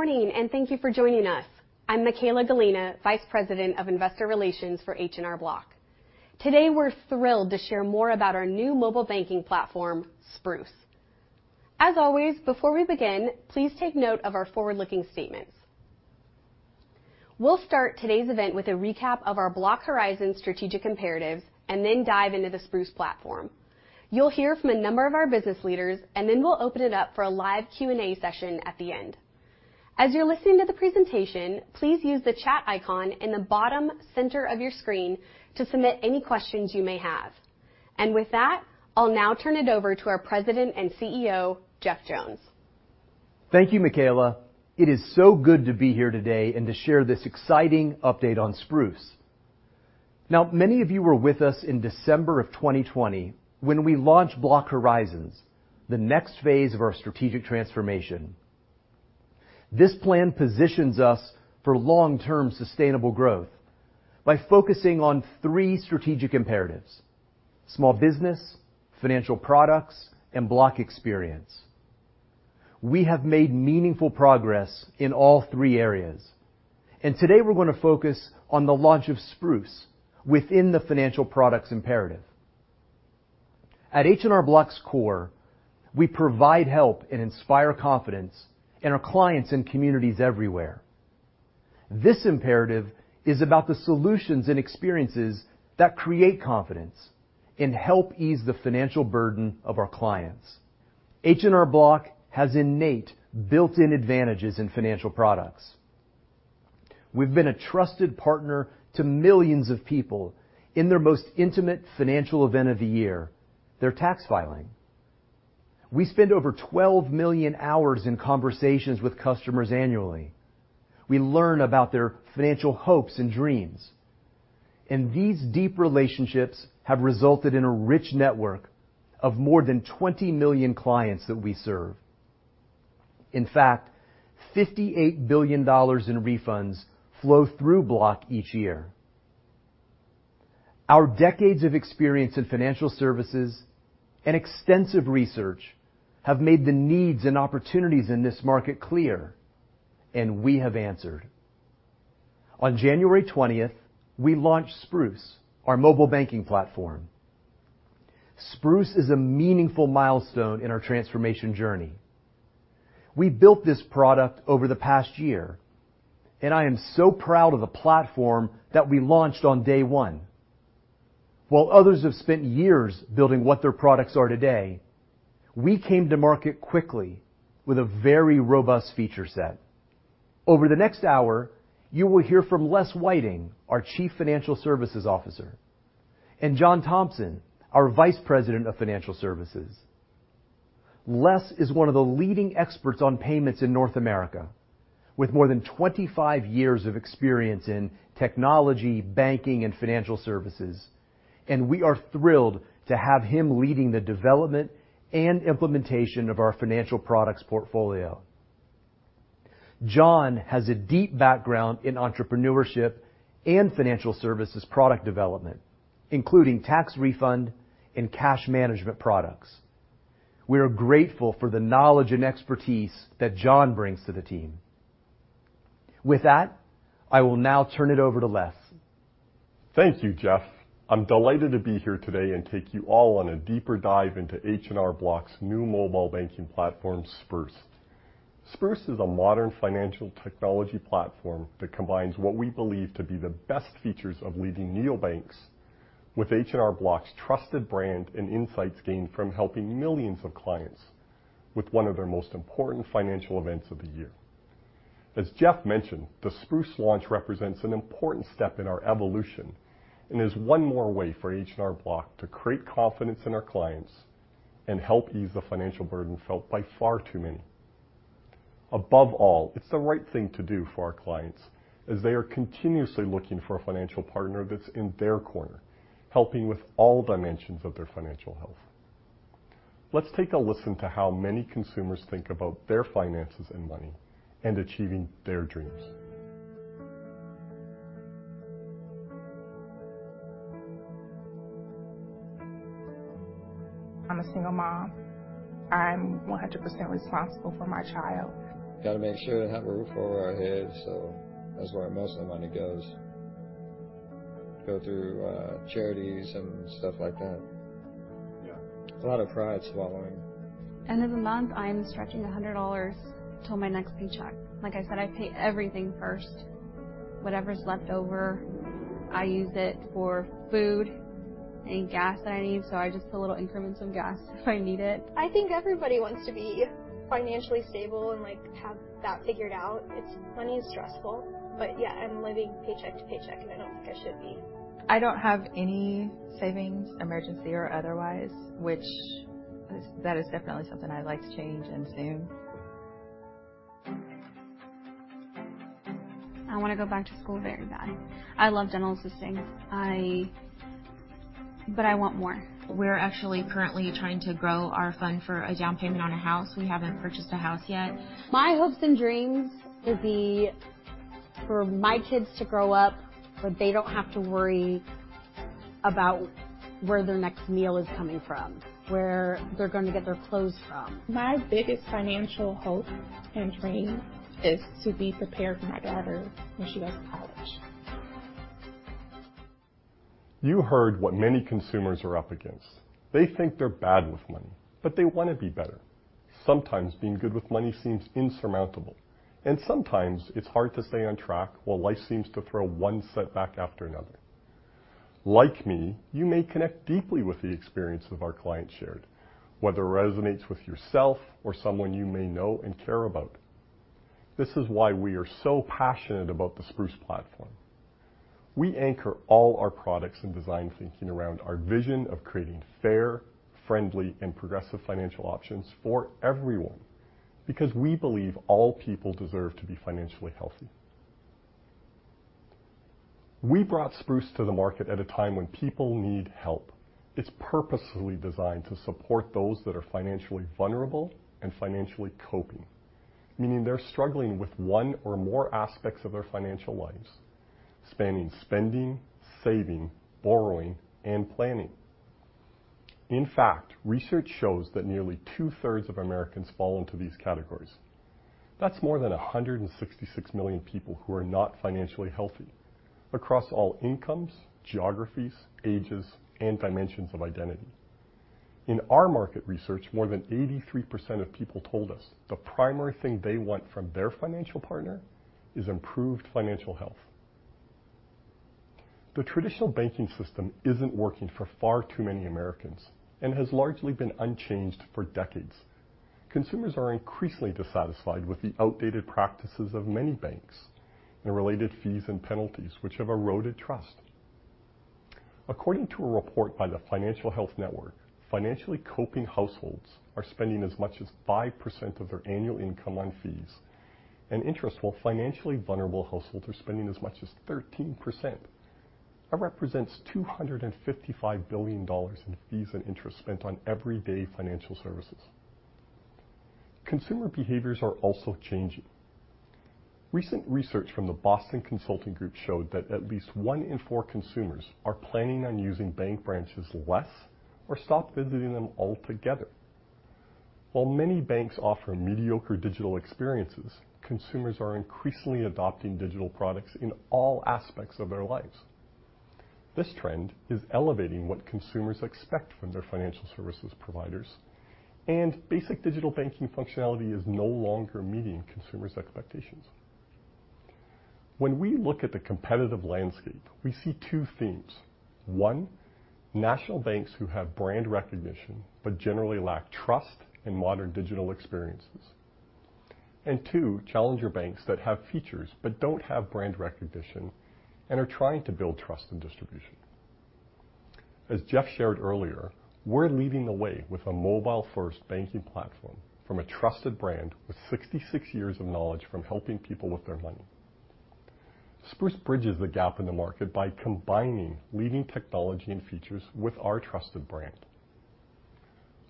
Good morning, and thank you for joining us. I'm Michaella Gallina, Vice President of Investor Relations for H&R Block. Today, we're thrilled to share more about our new mobile banking platform, Spruce. As always, before we begin, please take note of our forward-looking statements. We'll start today's event with a recap of our Block Horizons strategic imperatives and then dive into the Spruce platform. You'll hear from a number of our business leaders, and then we'll open it up for a live Q&A session at the end. As you're listening to the presentation, please use the chat icon in the bottom center of your screen to submit any questions you may have. With that, I'll now turn it over to our President and CEO, Jeff Jones. Thank you, Michaella. It is so good to be here today and to share this exciting update on Spruce. Now, many of you were with us in December of 2020 when we launched Block Horizons, the next phase of our strategic transformation. This plan positions us for long-term sustainable growth by focusing on three strategic imperatives. Small business, financial products, and Block experience. We have made meaningful progress in all three areas, and today we're gonna focus on the launch of Spruce within the financial products imperative. At H&R Block's core, we provide help and inspire confidence in our clients and communities everywhere. This imperative is about the solutions and experiences that create confidence and help ease the financial burden of our clients. H&R Block has innate built-in advantages in financial products. We've been a trusted partner to millions of people in their most intimate financial event of the year, their tax filing. We spend over 12 million hours in conversations with customers annually. We learn about their financial hopes and dreams, and these deep relationships have resulted in a rich network of more than 20 million clients that we serve. In fact, $58 billion in refunds flow through Block each year. Our decades of experience in financial services and extensive research have made the needs and opportunities in this market clear, and we have answered. On January 20th, we launched Spruce, our mobile banking platform. Spruce is a meaningful milestone in our transformation journey. We built this product over the past year, and I am so proud of the platform that we launched on day one. While others have spent years building what their products are today, we came to market quickly with a very robust feature set. Over the next hour, you will hear from Les Whiting, our Chief Financial Services Officer, and John Thompson, our Vice President of Financial Services. Les is one of the leading experts on payments in North America, with more than 25 years of experience in technology, banking, and financial services, and we are thrilled to have him leading the development and implementation of our financial products portfolio. John has a deep background in entrepreneurship and financial services product development, including tax refund and cash management products. We are grateful for the knowledge and expertise that John brings to the team. With that, I will now turn it over to Les. Thank you, Jeff. I'm delighted to be here today and take you all on a deeper dive into H&R Block's new mobile banking platform, Spruce. Spruce is a modern financial technology platform that combines what we believe to be the best features of leading neobanks with H&R Block's trusted brand and insights gained from helping millions of clients with one of their most important financial events of the year. As Jeff mentioned, the Spruce launch represents an important step in our evolution and is one more way for H&R Block to create confidence in our clients and help ease the financial burden felt by far too many. Above all, it's the right thing to do for our clients, as they are continuously looking for a financial partner that's in their corner, helping with all dimensions of their financial health. Let's take a listen to how many consumers think about their finances and money and achieving their dreams. I'm a single mom. I'm 100% responsible for my child. Gotta make sure I have a roof over our heads, so that's where most of the money goes. Go through, charities and stuff like that. Yeah. A lot of pride swallowing. End of the month, I'm stretching $100 till my next paycheck. Like I said, I pay everything first. Whatever's left over, I use it for food and gas that I need, so I just put little increments of gas if I need it. I think everybody wants to be financially stable and, like, have that figured out. Money is stressful, but yeah, I'm living paycheck to paycheck, and I don't think I should be. I don't have any savings, emergency or otherwise, that is definitely something I'd like to change and soon. I wanna go back to school very bad. I love dental assisting. I want more. We're actually currently trying to grow our fund for a down payment on a house. We haven't purchased a house yet. My hopes and dreams would be for my kids to grow up where they don't have to worry. About where their next meal is coming from, where they're gonna get their clothes from. My biggest financial hope and dream is to be prepared for my daughter when she goes to college. You heard what many consumers are up against. They think they're bad with money, but they wanna be better. Sometimes being good with money seems insurmountable, and sometimes it's hard to stay on track while life seems to throw one setback after another. Like me, you may connect deeply with the experiences our clients shared, whether it resonates with yourself or someone you may know and care about. This is why we are so passionate about the Spruce platform. We anchor all our products and design thinking around our vision of creating fair, friendly, and progressive financial options for everyone because we believe all people deserve to be financially healthy. We brought Spruce to the market at a time when people need help. It's purposefully designed to support those that are financially vulnerable and financially coping, meaning they're struggling with one or more aspects of their financial lives, spanning spending, saving, borrowing, and planning. In fact, research shows that nearly 2/3 of Americans fall into these categories. That's more than 166 million people who are not financially healthy across all incomes, geographies, ages, and dimensions of identity. In our market research, more than 83% of people told us the primary thing they want from their financial partner is improved financial health. The traditional banking system isn't working for far too many Americans and has largely been unchanged for decades. Consumers are increasingly dissatisfied with the outdated practices of many banks and related fees and penalties which have eroded trust. According to a report by the Financial Health Network, financially coping households are spending as much as 5% of their annual income on fees and interest, while financially vulnerable households are spending as much as 13%. That represents $255 billion in fees and interest spent on everyday financial services. Consumer behaviors are also changing. Recent research from the Boston Consulting Group showed that at least one in four consumers are planning on using bank branches less or stop visiting them altogether. While many banks offer mediocre digital experiences, consumers are increasingly adopting digital products in all aspects of their lives. This trend is elevating what consumers expect from their financial services providers, and basic digital banking functionality is no longer meeting consumers' expectations. When we look at the competitive landscape, we see two themes. One, national banks who have brand recognition but generally lack trust in modern digital experiences. Two, challenger banks that have features but don't have brand recognition and are trying to build trust and distribution. As Jeff shared earlier, we're leading the way with a mobile-first banking platform from a trusted brand with 66 years of knowledge from helping people with their money. Spruce bridges the gap in the market by combining leading technology and features with our trusted brand.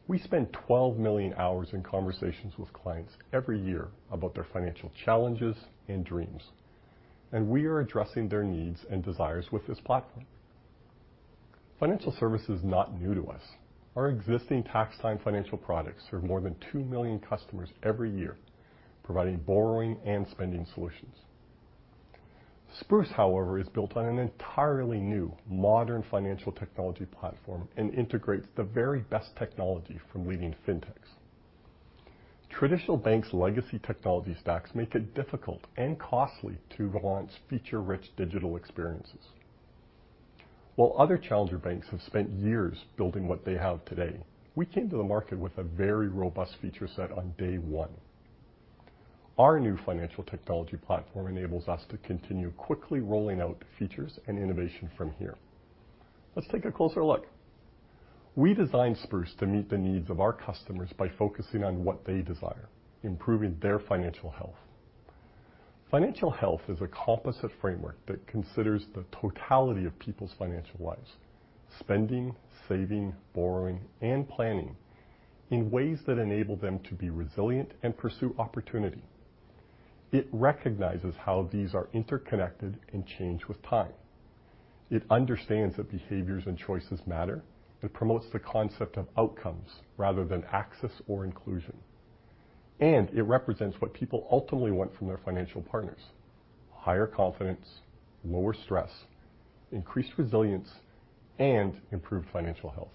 We spend 12 million hours in conversations with clients every year about their financial challenges and dreams, and we are addressing their needs and desires with this platform. Financial services is not new to us. Our existing TaxTime financial products serve more than 2 million customers every year, providing borrowing and spending solutions. Spruce, however, is built on an entirely new modern financial technology platform and integrates the very best technology from leading fintechs. Traditional banks' legacy technology stacks make it difficult and costly to launch feature-rich digital experiences. While other challenger banks have spent years building what they have today, we came to the market with a very robust feature set on day one. Our new financial technology platform enables us to continue quickly rolling out features and innovation from here. Let's take a closer look. We designed Spruce to meet the needs of our customers by focusing on what they desire, improving their financial health. Financial health is a composite framework that considers the totality of people's financial lives, spending, saving, borrowing, and planning in ways that enable them to be resilient and pursue opportunity. It recognizes how these are interconnected and change with time. It understands that behaviors and choices matter. It promotes the concept of outcomes rather than access or inclusion. It represents what people ultimately want from their financial partners. Higher confidence, lower stress, increased resilience, and improved financial health.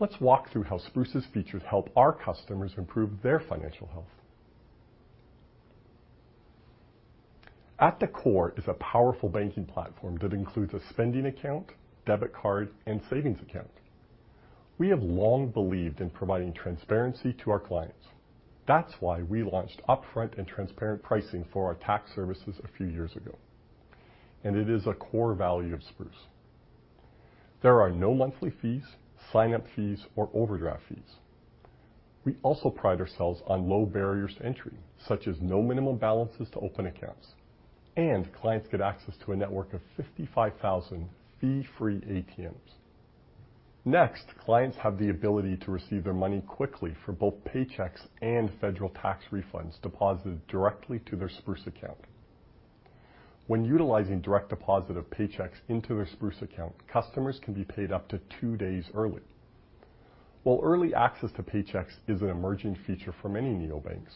Let's walk through how Spruce's features help our customers improve their financial health. At the core is a powerful banking platform that includes a spending account, debit card, and savings account. We have long believed in providing transparency to our clients. That's why we launched upfront and transparent pricing for our tax services a few years ago, and it is a core value of Spruce. There are no monthly fees, sign-up fees, or overdraft fees. We also pride ourselves on low barriers to entry, such as no minimum balances to open accounts, and clients get access to a network of 55,000 fee-free ATMs. Next, clients have the ability to receive their money quickly for both paychecks and federal tax refunds deposited directly to their Spruce account. When utilizing direct deposit of paychecks into their Spruce account, customers can be paid up to two days early. While early access to paychecks is an emerging feature for many neobanks,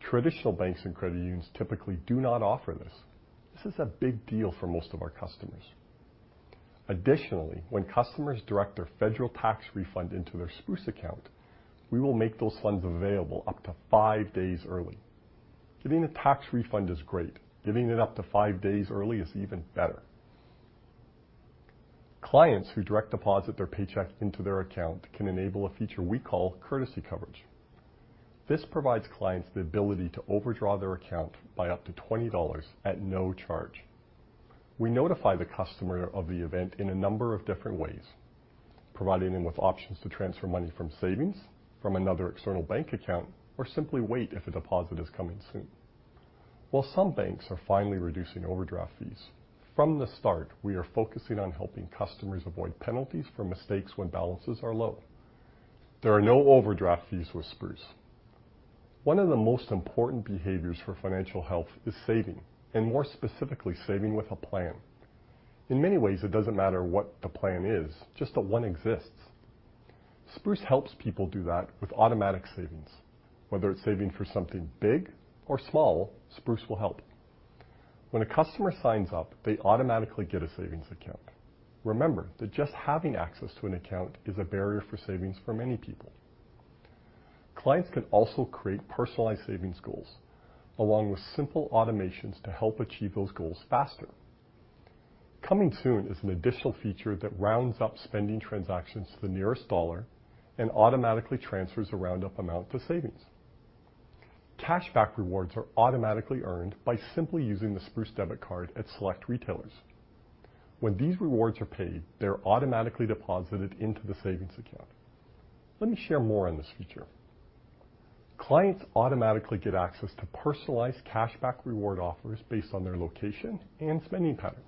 traditional banks and credit unions typically do not offer this. This is a big deal for most of our customers. Additionally, when customers direct their federal tax refund into their Spruce account, we will make those funds available up to five days early. Getting a tax refund is great. Getting it up to five days early is even better. Clients who direct deposit their paycheck into their account can enable a feature we call Courtesy Coverage. This provides clients the ability to overdraw their account by up to $20 at no charge. We notify the customer of the event in a number of different ways, providing them with options to transfer money from savings or from another external bank account or simply wait if a deposit is coming soon. While some banks are finally reducing overdraft fees, from the start, we are focusing on helping customers avoid penalties for mistakes when balances are low. There are no overdraft fees with Spruce. One of the most important behaviors for financial health is saving, and more specifically, saving with a plan. In many ways, it doesn't matter what the plan is, just that one exists. Spruce helps people do that with automatic savings. Whether it's saving for something big or small, Spruce will help. When a customer signs up, they automatically get a savings account. Remember that just having access to an account is a barrier for savings for many people. Clients can also create personalized savings goals along with simple automations to help achieve those goals faster. Coming soon is an additional feature that rounds up spending transactions to the nearest dollar and automatically transfers the roundup amount to savings. Cashback rewards are automatically earned by simply using the Spruce debit card at select retailers. When these rewards are paid, they're automatically deposited into the savings account. Let me share more on this feature. Clients automatically get access to personalized cashback reward offers based on their location and spending pattern.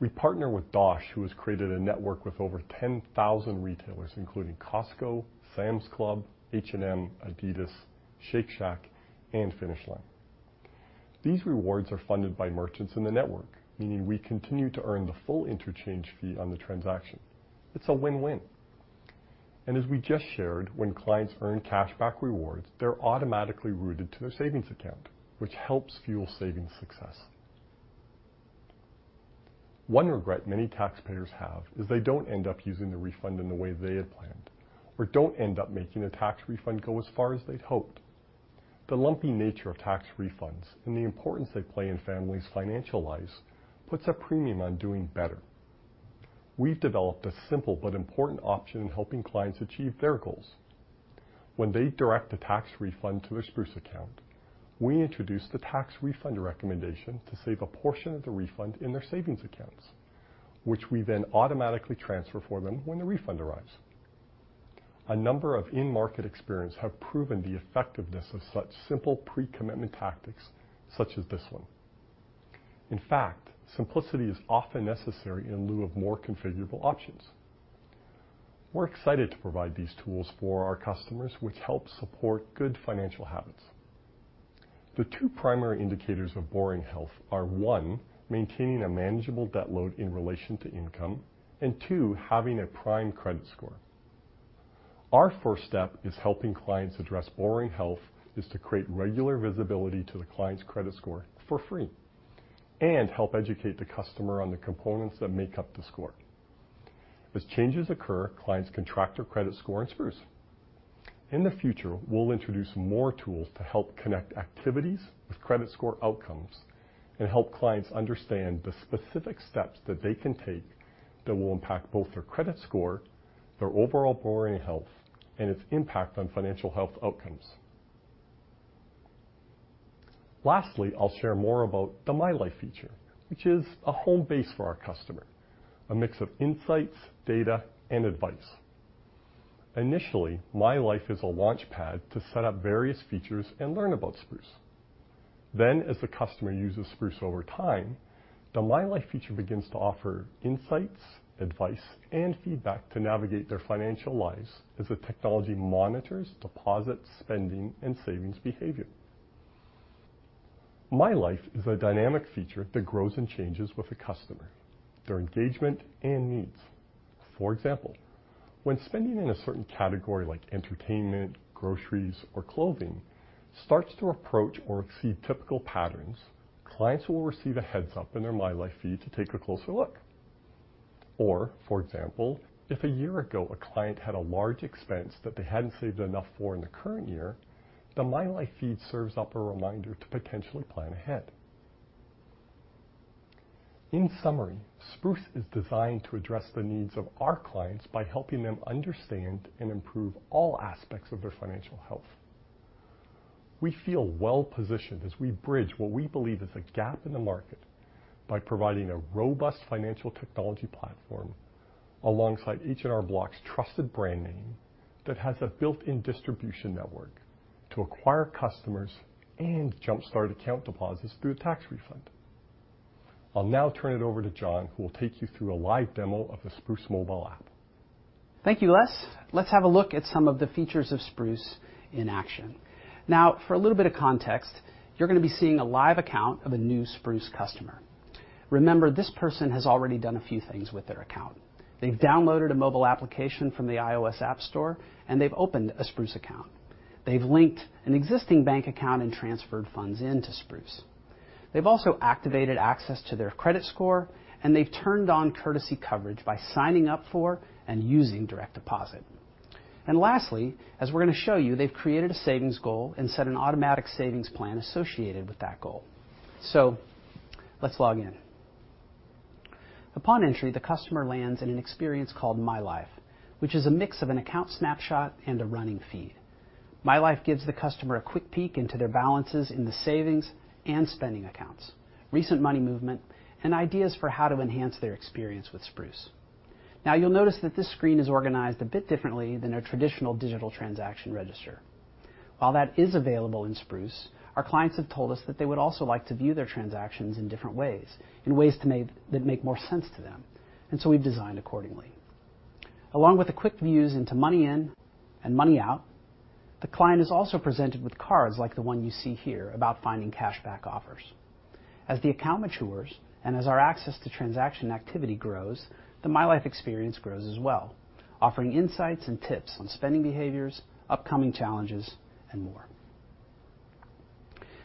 We partner with Dosh, who has created a network with over 10,000 retailers, including Costco, Sam's Club, H&M, Adidas, Shake Shack, and Finish Line. These rewards are funded by merchants in the network, meaning we continue to earn the full interchange fee on the transaction. It's a win-win. As we just shared, when clients earn cashback rewards, they're automatically routed to their savings account, which helps fuel savings success. One regret many taxpayers have is they don't end up using the refund in the way they had planned or don't end up making their tax refund go as far as they'd hoped. The lumpy nature of tax refunds and the importance they play in families' financial lives puts a premium on doing better. We've developed a simple but important option in helping clients achieve their goals. When they direct a tax refund to a Spruce account, we introduce the tax refund recommendation to save a portion of the refund in their savings accounts, which we then automatically transfer for them when the refund arrives. A number of in-market experiences have proven the effectiveness of such simple pre-commitment tactics such as this one. In fact, simplicity is often necessary in lieu of more configurable options. We're excited to provide these tools for our customers, which help support good financial habits. The two primary indicators of borrowing health are, one, maintaining a manageable debt load in relation to income, and two, having a prime credit score. Our first step in helping clients address borrowing health is to create regular visibility to the client's credit score for free and help educate the customer on the components that make up the score. As changes occur, clients can track their credit score in Spruce. In the future, we'll introduce more tools to help connect activities with credit score outcomes and help clients understand the specific steps that they can take that will impact both their credit score, their overall borrowing health, and its impact on financial health outcomes. Lastly, I'll share more about the My Life feature, which is a home base for our customer, a mix of insights, data, and advice. Initially, My Life is a launch pad to set up various features and learn about Spruce. Then, as the customer uses Spruce over time, the My Life feature begins to offer insights, advice, and feedback to navigate their financial lives as the technology monitors deposit, spending, and savings behavior. My Life is a dynamic feature that grows and changes with the customer, their engagement, and needs. For example, when spending in a certain category like entertainment, groceries, or clothing starts to approach or exceed typical patterns, clients will receive a heads-up in their My Life feed to take a closer look. Or for example, if a year ago a client had a large expense that they hadn't saved enough for in the current year, the My Life feed serves up a reminder to potentially plan ahead. In summary, Spruce is designed to address the needs of our clients by helping them understand and improve all aspects of their financial health. We feel well-positioned as we bridge what we believe is a gap in the market by providing a robust financial technology platform alongside H&R Block's trusted brand name that has a built-in distribution network to acquire customers and jumpstart account deposits through a tax refund. I'll now turn it over to John, who will take you through a live demo of the Spruce mobile app. Thank you, Les. Let's have a look at some of the features of Spruce in action. Now, for a little bit of context, you're gonna be seeing a live account of a new Spruce customer. Remember, this person has already done a few things with their account. They've downloaded a mobile application from the iOS App Store, and they've opened a Spruce account. They've linked an existing bank account and transferred funds into Spruce. They've also activated access to their credit score, and they've turned on courtesy coverage by signing up for and using direct deposit. Lastly, as we're gonna show you, they've created a savings goal and set an automatic savings plan associated with that goal. Let's log in. Upon entry, the customer lands in an experience called My Life, which is a mix of an account snapshot and a running feed. My Life gives the customer a quick peek into their balances in the savings and spending accounts, recent money movement, and ideas for how to enhance their experience with Spruce. Now, you'll notice that this screen is organized a bit differently than a traditional digital transaction register. While that is available in Spruce, our clients have told us that they would also like to view their transactions in different ways, in ways that make more sense to them, and so we've designed accordingly. Along with the quick views into money in and money out, the client is also presented with cards like the one you see here about finding cashback offers. As the account matures and as our access to transaction activity grows, the My Life experience grows as well, offering insights and tips on spending behaviors, upcoming challenges, and more.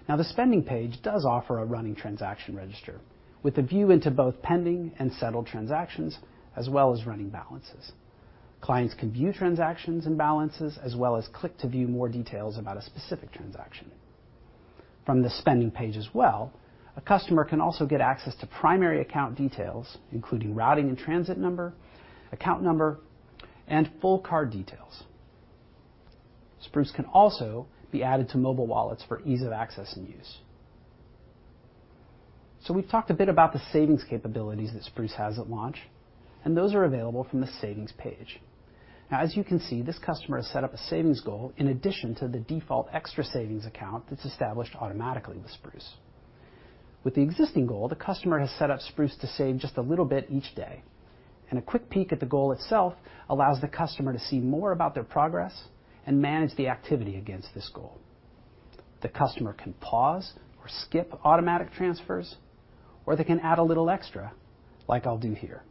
Now, the Spending page does offer a running transaction register with a view into both pending and settled transactions, as well as running balances. Clients can view transactions and balances, as well as click to view more details about a specific transaction. From the Spending page as well, a customer can also get access to primary account details, including routing and transit number, account number, and full card details. Spruce can also be added to mobile wallets for ease of access and use. We've talked a bit about the savings capabilities that Spruce has at launch, and those are available from the Savings page. Now, as you can see, this customer has set up a savings goal in addition to the default extra savings account that's established automatically with Spruce. With the existing goal, the customer has set up Spruce to save just a little bit each day, and a quick peek at the goal itself allows the customer to see more about their progress and manage the activity against this goal. The customer can pause or skip automatic transfers, or they can add a little extra, like I'll do here.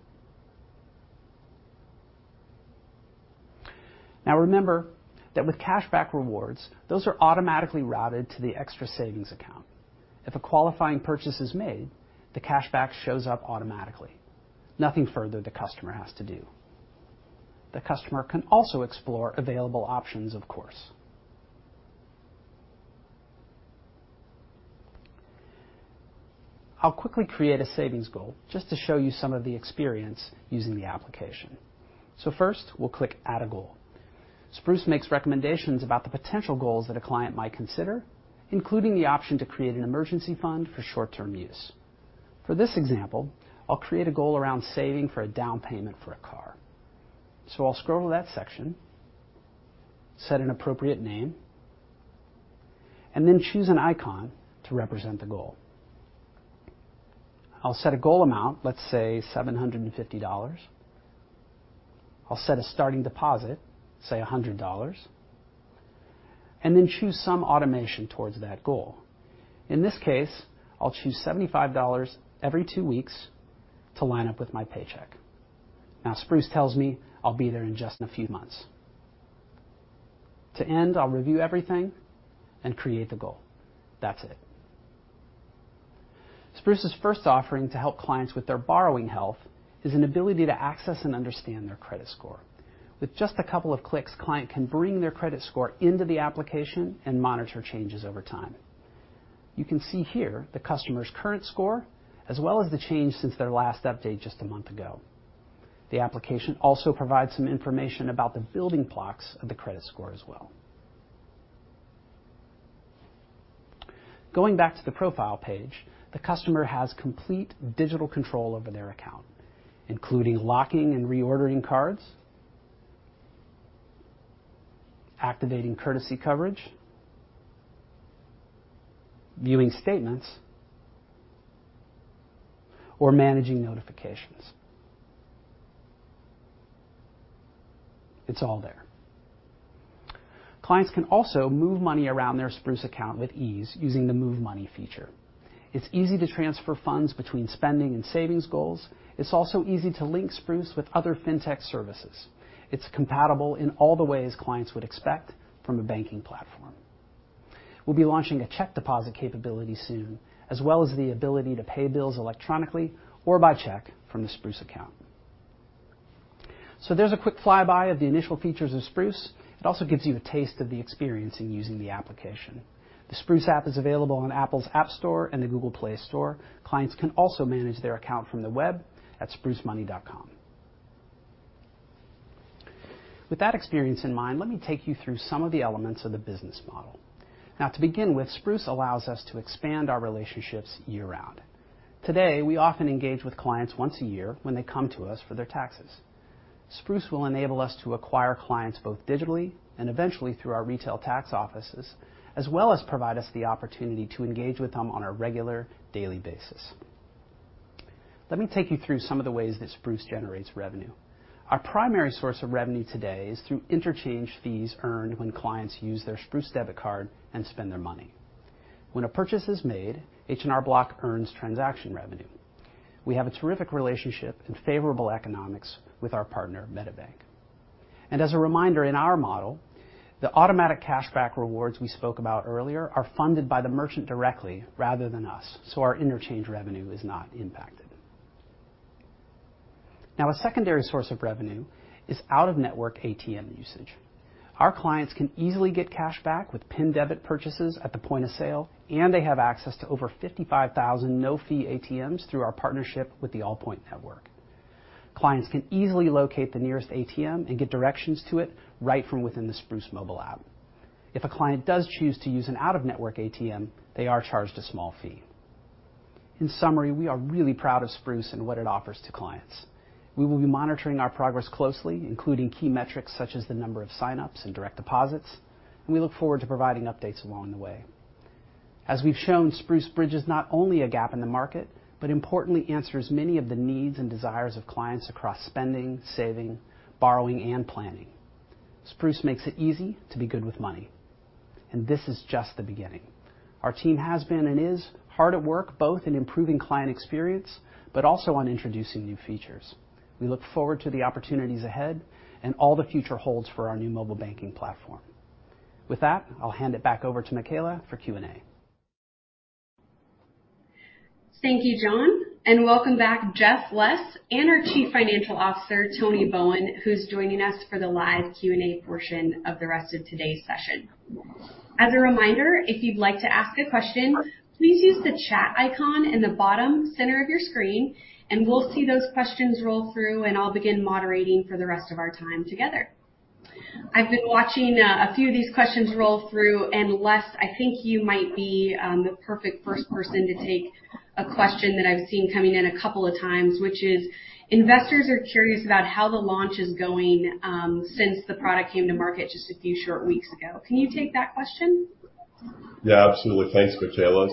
Now, remember that with cashback rewards, those are automatically routed to the extra savings account. If a qualifying purchase is made, the cashback shows up automatically. Nothing further the customer has to do. The customer can also explore available options, of course. I'll quickly create a savings goal just to show you some of the experience using the application. First, we'll click Add a Goal. Spruce makes recommendations about the potential goals that a client might consider, including the option to create an emergency fund for short-term use. For this example, I'll create a goal around saving for a down payment for a car. I'll scroll to that section, set an appropriate name, and then choose an icon to represent the goal. I'll set a goal amount, let's say $750. I'll set a starting deposit, say $100, and then choose some automation towards that goal. In this case, I'll choose $75 every two weeks to line up with my paycheck. Now, Spruce tells me I'll be there in just a few months. To end, I'll review everything and create the goal. That's it. Spruce's first offering to help clients with their borrowing health is an ability to access and understand their credit score. With just a couple of clicks, clients can bring their credit score into the application and monitor changes over time. You can see here the customer's current score, as well as the change since their last update just a month ago. The application also provides some information about the building blocks of the credit score as well. Going back to the profile page, the customer has complete digital control over their account, including locking and reordering cards, activating Courtesy Coverage, viewing statements, or managing notifications. It's all there. Clients can also move money around their Spruce account with ease using the Move Money feature. It's easy to transfer funds between spending and savings goals. It's also easy to link Spruce with other fintech services. It's compatible in all the ways clients would expect from a banking platform. We'll be launching a check deposit capability soon, as well as the ability to pay bills electronically or by check from the Spruce account. There's a quick flyby of the initial features of Spruce. It also gives you a taste of the experience in using the application. The Spruce app is available on Apple's App Store and the Google Play Store. Clients can also manage their account from the web at sprucemoney.com. With that experience in mind, let me take you through some of the elements of the business model. Now, to begin with, Spruce allows us to expand our relationships year-round. Today, we often engage with clients once a year when they come to us for their taxes. Spruce will enable us to acquire clients both digitally and eventually through our retail tax offices, as well as provide us the opportunity to engage with them on a regular daily basis. Let me take you through some of the ways that Spruce generates revenue. Our primary source of revenue today is through interchange fees earned when clients use their Spruce debit card and spend their money. When a purchase is made, H&R Block earns transaction revenue. We have a terrific relationship and favorable economics with our partner, MetaBank. As a reminder, in our model, the automatic cashback rewards we spoke about earlier are funded by the merchant directly rather than us, so our interchange revenue is not impacted. Now, a secondary source of revenue is out-of-network ATM usage. Our clients can easily get cashback with PIN debit purchases at the point of sale, and they have access to over 55,000 no-fee ATMs through our partnership with Allpoint Network. Clients can easily locate the nearest ATM and get directions to it right from within the Spruce mobile app. If a client does choose to use an out-of-network ATM, they are charged a small fee. In summary, we are really proud of Spruce and what it offers to clients. We will be monitoring our progress closely, including key metrics such as the number of sign-ups and direct deposits, and we look forward to providing updates along the way. As we've shown, Spruce bridges not only a gap in the market, but importantly answers many of the needs and desires of clients across spending, saving, borrowing, and planning. Spruce makes it easy to be good with money, and this is just the beginning. Our team has been and is hard at work, both in improving client experience but also on introducing new features. We look forward to the opportunities ahead and all the future holds for our new mobile banking platform. With that, I'll hand it back over to Michaella for Q&A. Thank you, John, and welcome back Jeff, Les, and our Chief Financial Officer, Tony Bowen, who's joining us for the live Q&A portion of the rest of today's session. As a reminder, if you'd like to ask a question, please use the chat icon in the bottom center of your screen, and we'll see those questions roll through, and I'll begin moderating for the rest of our time together. I've been watching a few of these questions roll through, and Les, I think you might be the perfect first person to take a question that I've seen coming in a couple of times, which is investors are curious about how the launch is going, since the product came to market just a few short weeks ago. Can you take that question? Yeah, absolutely. Thanks, Michaella.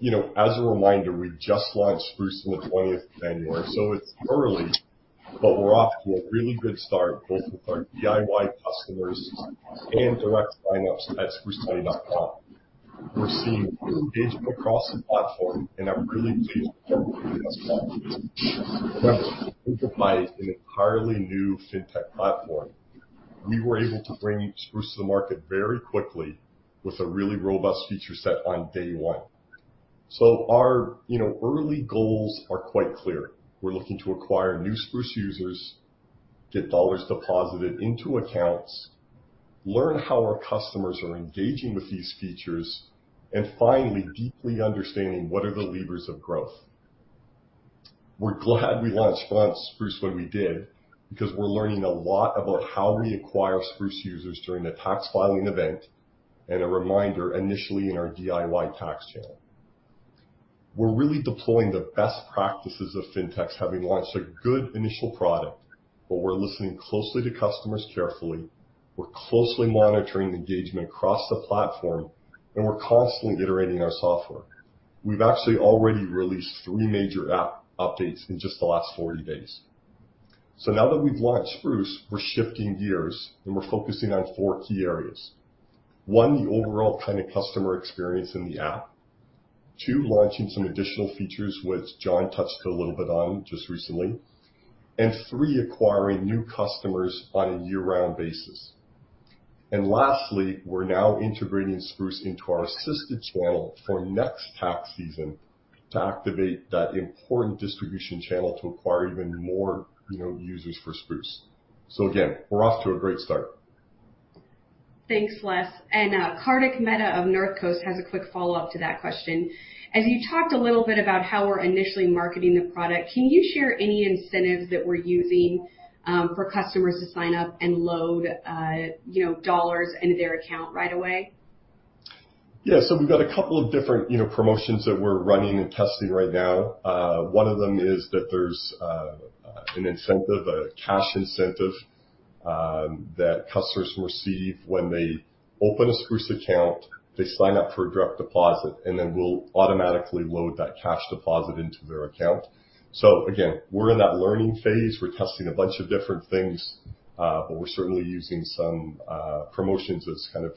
You know, as a reminder, we just launched Spruce on the 20th of January, so it's early, but we're off to a really good start, both with our DIY customers and direct sign-ups at sprucemoney.com. We're seeing engagement across the platform and are really pleased with customer feedback. Remember, despite an entirely new fintech platform, we were able to bring Spruce to the market very quickly with a really robust feature set on day one. Our, you know, early goals are quite clear. We're looking to acquire new Spruce users, get dollars deposited into accounts, learn how our customers are engaging with these features, and finally, deeply understanding what are the levers of growth. We're glad we launched Spruce when we did because we're learning a lot about how we acquire Spruce users during the tax filing event, and a reminder, initially in our DIY tax channel. We're really deploying the best practices of fintechs, having launched a good initial product, but we're listening closely to customers carefully, we're closely monitoring engagement across the platform, and we're constantly iterating our software. We've actually already released three major app updates in just the last 40 days. Now that we've launched Spruce, we're shifting gears, and we're focusing on four key areas. One, the overall kind of customer experience in the app. Two, launching some additional features, which John touched a little bit on just recently. Three, acquiring new customers on a year-round basis. Lastly, we're now integrating Spruce into our Assisted channel for next tax season to activate that important distribution channel to acquire even more, you know, users for Spruce. Again, we're off to a great start. Thanks, Les. Kartik Mehta of Northcoast Research has a quick follow-up to that question. As you talked a little bit about how we're initially marketing the product, can you share any incentives that we're using, for customers to sign-up and load, you know, dollars into their account right away? Yeah. We've got a couple of different, you know, promotions that we're running and testing right now. One of them is that there's an incentive, a cash incentive, that customers receive when they open a Spruce account, they sign-up for a direct deposit, and then we'll automatically load that cash deposit into their account. Again, we're in that learning phase. We're testing a bunch of different things, but we're certainly using some promotions as kind of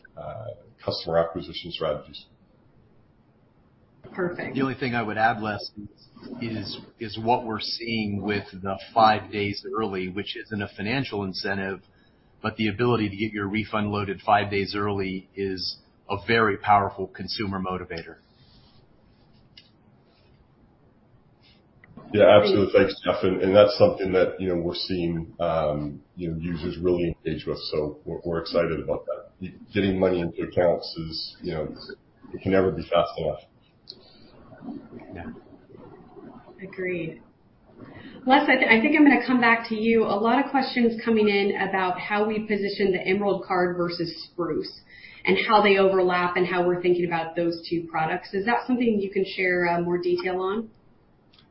customer acquisition strategies. Perfect. The only thing I would add, Les, is what we're seeing with the five days early, which isn't a financial incentive, but the ability to get your refund loaded five days early is a very powerful consumer motivator. Yeah, absolutely. Thanks, Jeff. That's something that, you know, we're seeing, you know, users really engage with. We're excited about that. Getting money into accounts is, you know, it can never be fast enough. Yeah. Agreed. Les, I think I'm gonna come back to you. A lot of questions coming in about how we position the Emerald Card versus Spruce and how they overlap and how we're thinking about those two products. Is that something you can share more detail on?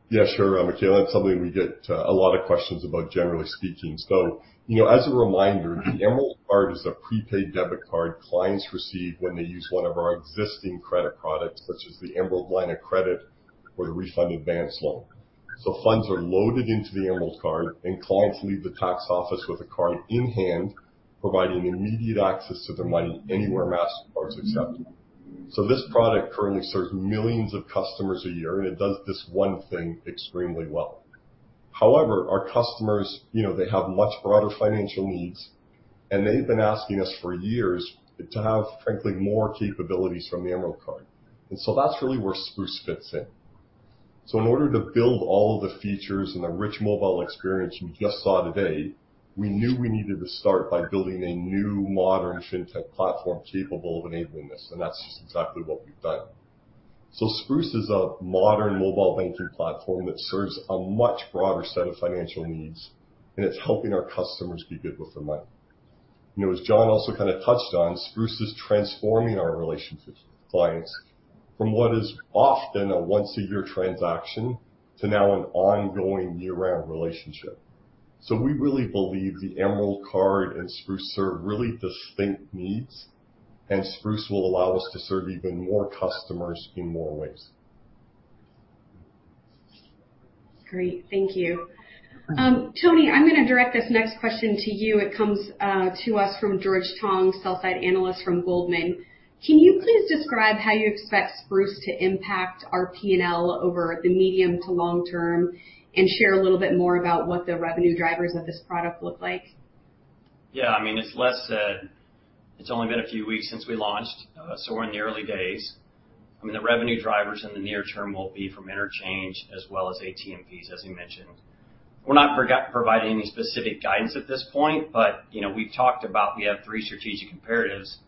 Yeah, sure, Michaella. That's something we get a lot of questions about, generally speaking. You know, as a reminder, the Emerald Card is a prepaid debit card clients receive when they use one of our existing credit products, such as the Emerald Advance or the Refund Advance. Funds are loaded into the Emerald Card, and clients leave the tax office with a card in hand, providing immediate access to their money anywhere Mastercard's accepted. This product currently serves millions of customers a year, and it does this one thing extremely well. However, our customers, you know, they have much broader financial needs, and they've been asking us for years to have, frankly, more capabilities from the Emerald Card. That's really where Spruce fits in. In order to build all of the features and the rich mobile experience you just saw today, we knew we needed to start by building a new modern fintech platform capable of enabling this, and that's just exactly what we've done. Spruce is a modern mobile banking platform that serves a much broader set of financial needs, and it's helping our customers be good with their money. You know, as John also kind of touched on, Spruce is transforming our relationships with clients from what is often a once-a-year transaction to now an ongoing year-round relationship. We really believe the Emerald Card and Spruce serve really distinct needs, and Spruce will allow us to serve even more customers in more ways. Great. Thank you. Tony, I'm gonna direct this next question to you. It comes to us from George Tong, Sell-Side Analyst from Goldman. Can you please describe how you expect Spruce to impact our P&L over the medium to long term and share a little bit more about what the revenue drivers of this product look like? Yeah. I mean, as Les said, it's only been a few weeks since we launched, so we're in the early days. I mean, the revenue drivers in the near term will be from interchange as well as ATM fees, as he mentioned. We're not providing any specific guidance at this point, but, you know, we've talked about we have three strategic imperatives,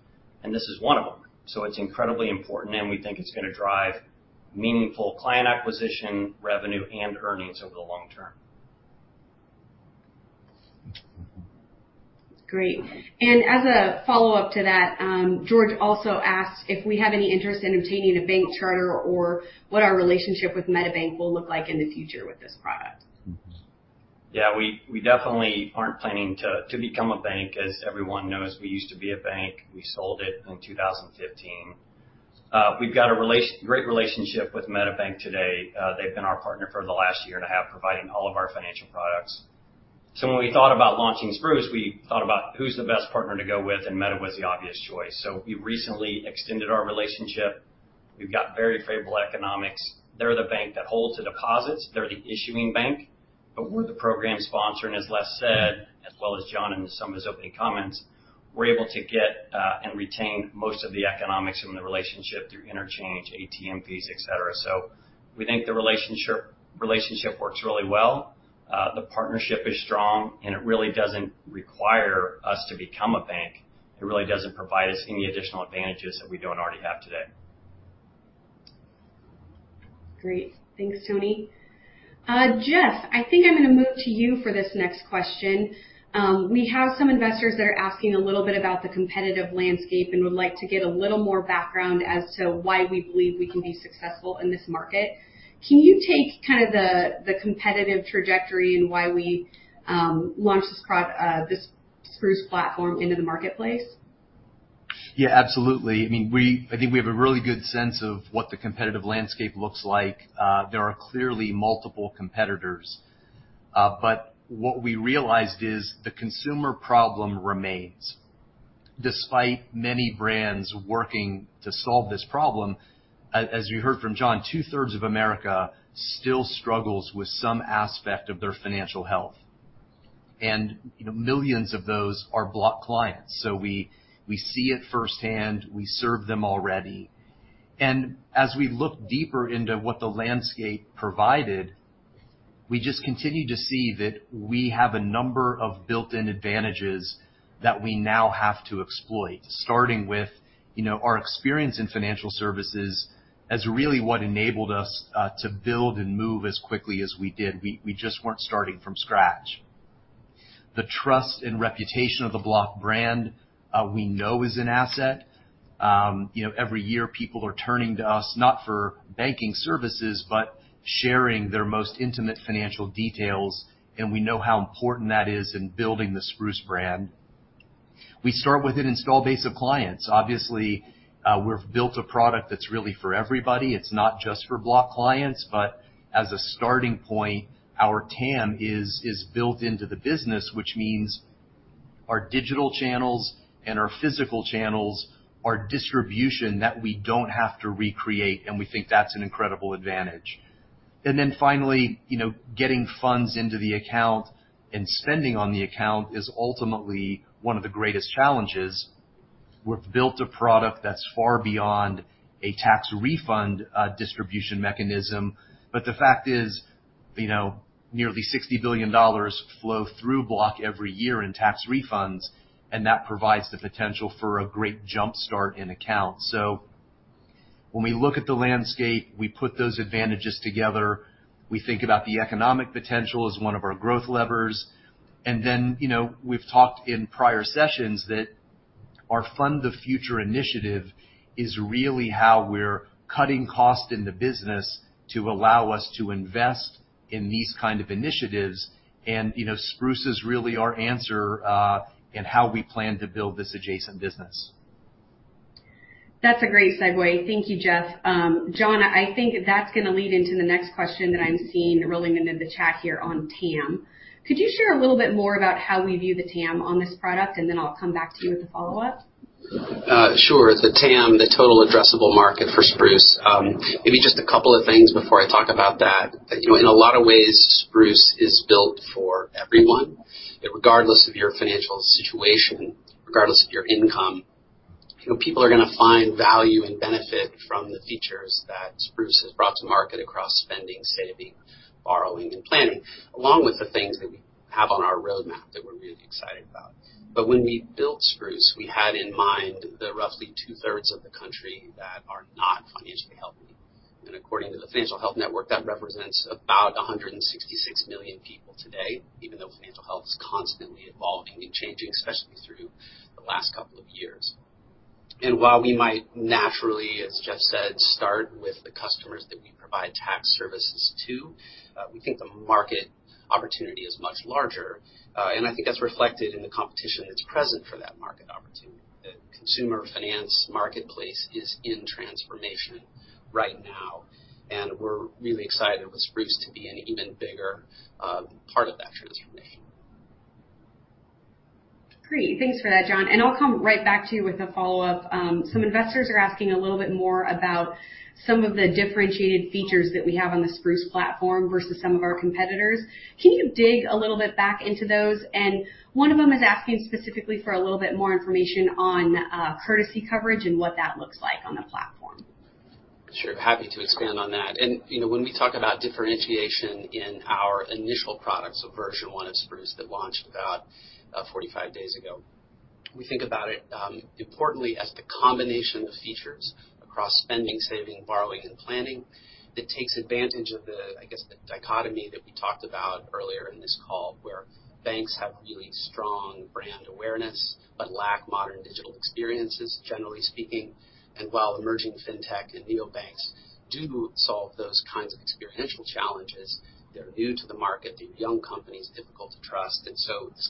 and this is one of them, so it's incredibly important, and we think it's gonna drive meaningful client acquisition, revenue, and earnings over the long term. Great. As a follow-up to that, George also asked if we have any interest in obtaining a bank charter or what our relationship with MetaBank will look like in the future with this product. Yeah. We definitely aren't planning to become a bank. As everyone knows, we used to be a bank. We sold it in 2015. We've got a great relationship with MetaBank today. They've been our partner for the last year and a half, providing all of our financial products. When we thought about launching Spruce, we thought about who's the best partner to go with, and Meta was the obvious choice. We recently extended our relationship. We've got very favorable economics. They're the bank that holds the deposits. They're the issuing bank, but we're the program sponsor. As Les said, as well as John in some of his opening comments, we're able to get and retain most of the economics from the relationship through interchange, ATM fees, et cetera. We think the relationship works really well. The partnership is strong, and it really doesn't require us to become a bank. It really doesn't provide us any additional advantages that we don't already have today. Great. Thanks, Tony. Jeff, I think I'm gonna move to you for this next question. We have some investors that are asking a little bit about the competitive landscape and would like to get a little more background as to why we believe we can be successful in this market. Can you take kind of the competitive trajectory and why we launched this Spruce platform into the marketplace? Yeah, absolutely. I mean, I think we have a really good sense of what the competitive landscape looks like. There are clearly multiple competitors. But what we realized is the consumer problem remains. Despite many brands working to solve this problem, as you heard from John, 2/3 of America still struggles with some aspect of their financial health. You know, millions of those are Block clients. We see it firsthand. We serve them already. As we look deeper into what the landscape provided, we just continue to see that we have a number of built-in advantages that we now have to exploit, starting with, you know, our experience in financial services as really what enabled us to build and move as quickly as we did. We just weren't starting from scratch. The trust and reputation of the Block brand, we know is an asset. You know, every year people are turning to us not for banking services, but sharing their most intimate financial details, and we know how important that is in building the Spruce brand. We start with an install base of clients. Obviously, we've built a product that's really for everybody. It's not just for Block clients, but as a starting point, our TAM is built into the business, which means our digital channels and our physical channels, our distribution that we don't have to recreate, and we think that's an incredible advantage. Finally, you know, getting funds into the account and spending on the account is ultimately one of the greatest challenges. We've built a product that's far beyond a tax refund distribution mechanism. The fact is, you know, nearly $60 billion flows through Block every year in tax refunds, and that provides the potential for a great jumpstart in accounts. When we look at the landscape, we put those advantages together, we think about the economic potential as one of our growth levers. You know, we've talked in prior sessions that our Fund the Future initiative is really how we're cutting costs in the business to allow us to invest in these kind of initiatives. You know, Spruce is really our answer in how we plan to build this adjacent business. That's a great segue. Thank you, Jeff. John, I think that's gonna lead into the next question that I'm seeing rolling into the chat here on TAM. Could you share a little bit more about how we view the TAM on this product? I'll come back to you with a follow-up. Sure. The TAM, the total addressable market for Spruce. Maybe just a couple of things before I talk about that. You know, in a lot of ways, Spruce is built for everyone. Regardless of your financial situation, regardless of your income, you know, people are gonna find value and benefit from the features that Spruce has brought to market across spending, saving, borrowing, and planning, along with the things that we have on our roadmap that we're really excited about. When we built Spruce, we had in mind the roughly two-thirds of the country that are not financially healthy. According to the Financial Health Network, that represents about 166 million people today, even though financial health is constantly evolving and changing, especially through the last couple of years. While we might naturally, as Jeff said, start with the customers that we provide tax services to, we think the market opportunity is much larger. I think that's reflected in the competition that's present for that market opportunity. The consumer finance marketplace is in transformation right now, and we're really excited with Spruce to be an even bigger, part of that transformation. Great. Thanks for that, John, and I'll come right back to you with a follow-up. Some investors are asking a little bit more about some of the differentiated features that we have on the Spruce platform versus some of our competitors. Can you dig a little bit back into those? One of them is asking specifically for a little bit more information on Courtesy Coverage and what that looks like on the platform. Sure. Happy to expand on that. You know, when we talk about differentiation in our initial products or version one of Spruce that launched about 45 days ago. We think about it importantly as the combination of features across spending, saving, borrowing, and planning that takes advantage of the dichotomy that we talked about earlier in this call, where banks have really strong brand awareness but lack modern digital experiences, generally speaking. While emerging fintech and neobanks do solve those kinds of experiential challenges, they're new to the market. They're young companies, difficult to trust. This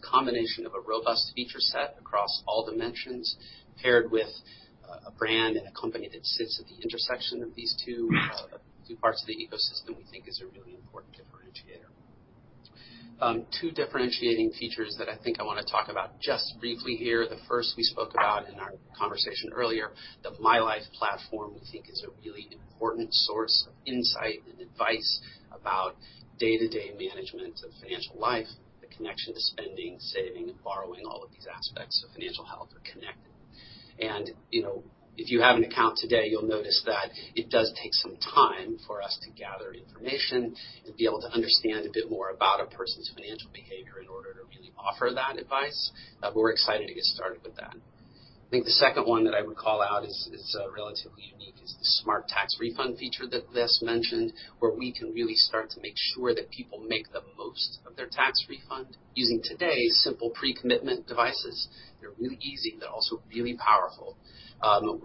combination of a robust feature set across all dimensions, paired with a brand and a company that sits at the intersection of these two parts of the ecosystem we think is a really important differentiator. Two differentiating features that I think I wanna talk about just briefly here. The first we spoke about in our conversation earlier, the My Life platform we think is a really important source of insight and advice about day-to-day management of financial life, the connection to spending, saving, and borrowing. All of these aspects of financial health are connected. You know, if you have an account today, you'll notice that it does take some time for us to gather information and be able to understand a bit more about a person's financial behavior in order to really offer that advice, but we're excited to get started with that. I think the second one that I would call out is relatively unique, the smart tax refund feature that Les mentioned, where we can really start to make sure that people make the most of their tax refund using today's simple pre-commitment devices. They're really easy, they're also really powerful.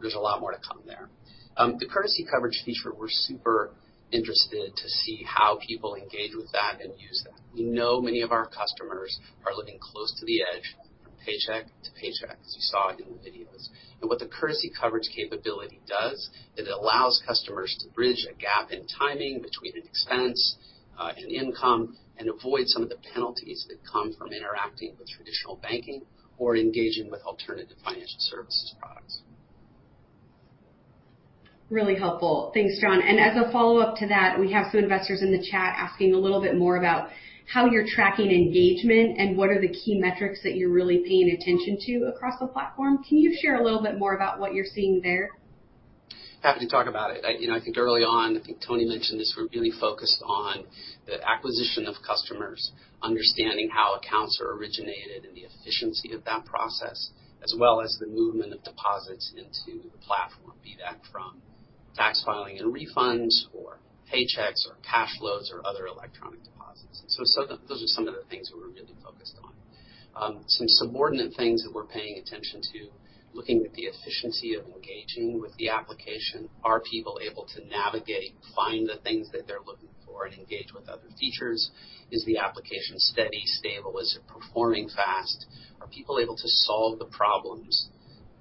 There's a lot more to come there. The Courtesy Coverage feature, we're super interested to see how people engage with that and use that. We know many of our customers are living close to the edge from paycheck to paycheck, as you saw in the videos. What the Courtesy Coverage capability does, it allows customers to bridge a gap in timing between an expense and income and avoid some of the penalties that come from interacting with traditional banking or engaging with alternative financial services products. Really helpful. Thanks, John. As a follow-up to that, we have some investors in the chat asking a little bit more about how you're tracking engagement and what are the key metrics that you're really paying attention to across the platform. Can you share a little bit more about what you're seeing there? Happy to talk about it. I, you know, I think early on, I think Tony mentioned this, we're really focused on the acquisition of customers, understanding how accounts are originated and the efficiency of that process, as well as the movement of deposits into the platform, be that from tax filing and refunds or paychecks or cash flows or other electronic deposits. Those are some of the things we're really focused on. Some subordinate things that we're paying attention to, looking at the efficiency of engaging with the application. Are people able to navigate and find the things that they're looking for and engage with other features? Is the application steady, stable? Is it performing fast? Are people able to solve the problems,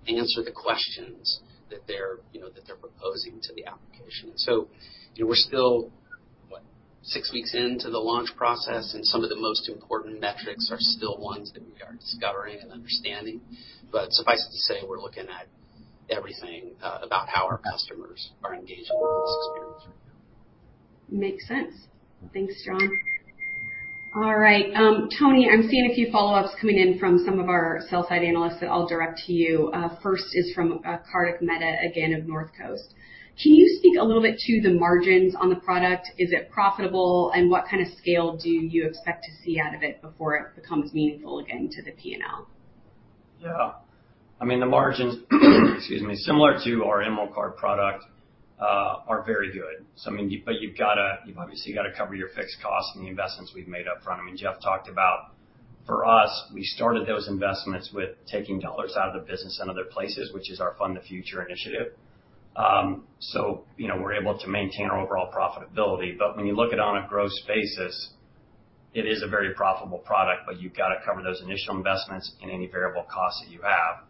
answer the questions that they're, you know, proposing to the application? You know, we're still, what, six weeks into the launch process, and some of the most important metrics are still ones that we are discovering and understanding. Suffice it to say, we're looking at everything about how our customers are engaged with this experience right now. Makes sense. Thanks, John. All right. Tony, I'm seeing a few follow-ups coming in from some of our sell-side analysts that I'll direct to you. First is from Kartik Mehta, again, of Northcoast Research. Can you speak a little bit to the margins on the product? Is it profitable? And what kind of scale do you expect to see out of it before it becomes meaningful again to the P&L? Yeah. I mean, the margins, excuse me, similar to our Emerald Card product are very good. I mean, but you've obviously gotta cover your fixed costs and the investments we've made up front. I mean, Jeff talked about for us, we started those investments with taking dollars out of the business in other places, which is our Fund the Future initiative. you know, we're able to maintain our overall profitability. When you look at it on a gross basis, it is a very profitable product, but you've gotta cover those initial investments and any variable costs that you have.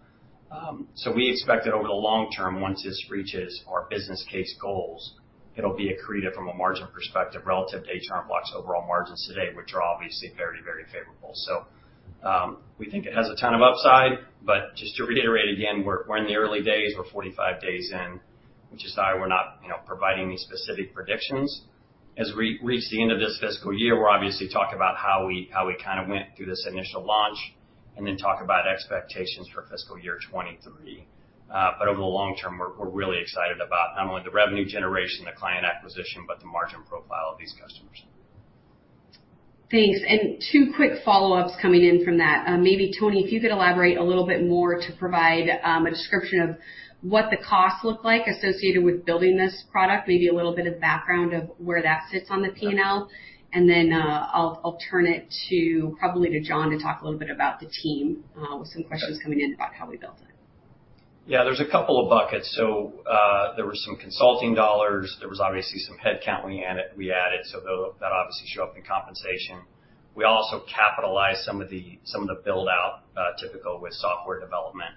We expect that over the long term, once this reaches our business case goals, it'll be accretive from a margin perspective relative to H&R Block's overall margins today, which are obviously very, very favorable. We think it has a ton of upside, but just to reiterate again, we're in the early days, we're 45 days in, which is why we're not, you know, providing any specific predictions. As we reach the end of this fiscal year, we're obviously talking about how we kind of went through this initial launch and then talk about expectations for fiscal year 2023. Over the long term, we're really excited about not only the revenue generation, the client acquisition, but the margin profile of these customers. Thanks. Two quick follow-ups coming in from that. Maybe Tony, if you could elaborate a little bit more to provide a description of what the costs look like associated with building this product, maybe a little bit of background of where that sits on the P&L. I'll turn it probably to John to talk a little bit about the team with some questions coming in about how we built it. Yeah, there's a couple of buckets. There were some consulting dollars. There was obviously some headcount we added, so that obviously show up in compensation. We also capitalize some of the build-out, typical with software development.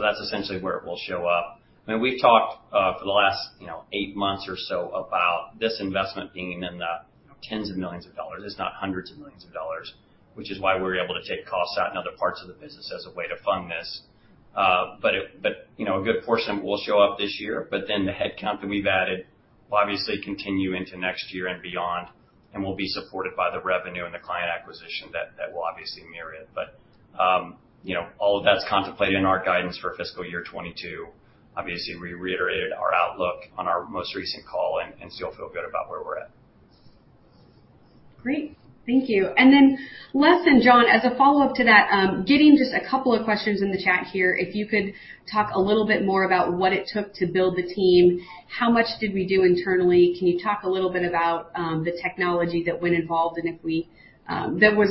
That's essentially where it will show up. I mean, we've talked for the last, you know, eight months or so about this investment being in the tens of millions of dollars. It's not hundreds of millions of dollars, which is why we're able to take costs out in other parts of the business as a way to fund this. You know, a good portion will show up this year, but then the headcount that we've added will obviously continue into next year and beyond, and will be supported by the revenue and the client acquisition that will obviously mirror it. You know, all of that's contemplated in our guidance for fiscal year 2022. Obviously, we reiterated our outlook on our most recent call and still feel good about where we're at. Great. Thank you. Then Les and John, as a follow-up to that, getting just a couple of questions in the chat here, if you could talk a little bit more about what it took to build the team, how much did we do internally? Can you talk a little bit about the technology that was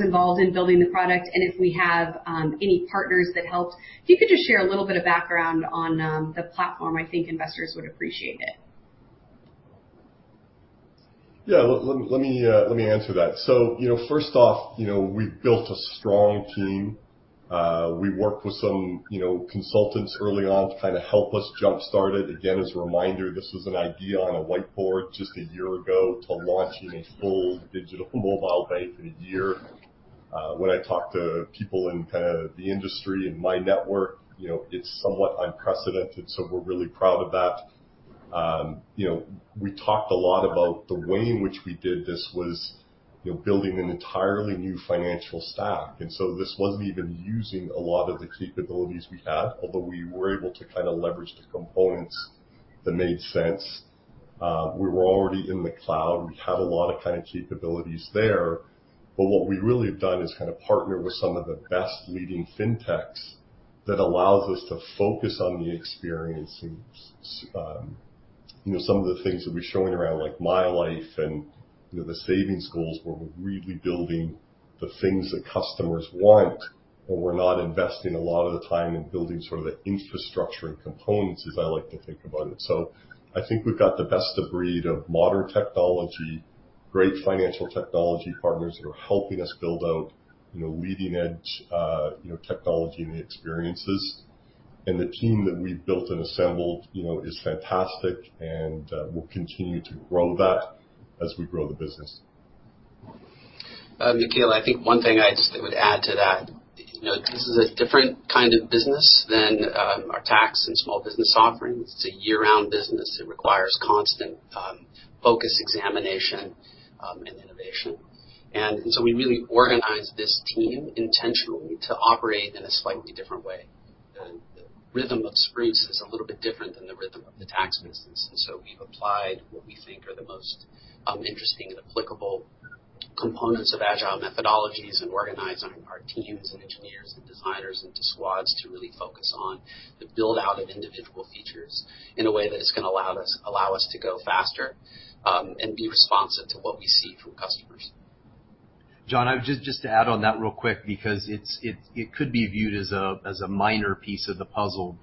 involved in building the product, and if we have any partners that helped. If you could just share a little bit of background on the platform, I think investors would appreciate it. Let me answer that. So, you know, first off, you know, we've built a strong team. We worked with some, you know, consultants early on to kind of help us jumpstart it. Again, as a reminder, this was an idea on a whiteboard just a year ago to launching a full digital mobile bank in a year. When I talk to people in kind of the industry and my network, you know, it's somewhat unprecedented, so we're really proud of that. You know, we talked a lot about the way in which we did this was, you know, building an entirely new financial stack. This wasn't even using a lot of the capabilities we had, although we were able to kind of leverage the components that made sense. We were already in the cloud. We had a lot of kind of capabilities there. What we really have done is kind of partner with some of the best leading fintechs that allows us to focus on the experience and, you know, some of the things that we're showing around, like My Life and, you know, the savings goals where we're really building the things that customers want, and we're not investing a lot of the time in building sort of the infrastructure and components, as I like to think about it. I think we've got the best of breed of modern technology, great financial technology partners who are helping us build out, you know, leading-edge, technology and the experiences. The team that we've built and assembled, you know, is fantastic and, we'll continue to grow that as we grow the business. Michaella, I think one thing I just would add to that, you know, this is a different kind of business than our tax and small business offerings. It's a year-round business. It requires constant focus, examination, and innovation. We really organized this team intentionally to operate in a slightly different way. The rhythm of Spruce is a little bit different than the rhythm of the tax business. We've applied what we think are the most interesting and applicable components of agile methodologies and organizing our teams and engineers and designers into squads to really focus on the build-out of individual features in a way that is gonna allow us to go faster and be responsive to what we see from customers. John, just to add on that real quick because it's it could be viewed as a minor piece of the puzzle.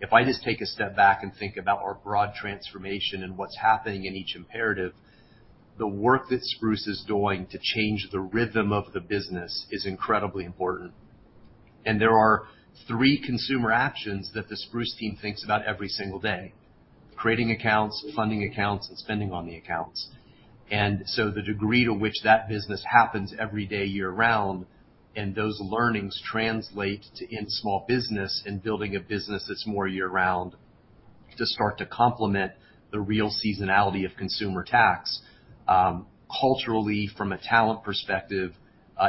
If I just take a step back and think about our broad transformation and what's happening in each imperative, the work that Spruce is doing to change the rhythm of the business is incredibly important. There are three consumer actions that the Spruce team thinks about every single day. Creating accounts, funding accounts, and spending on the accounts. The degree to which that business happens every day, year-round, and those learnings translate to in small business and building a business that's more year-round to start to complement the real seasonality of consumer tax. Culturally, from a talent perspective,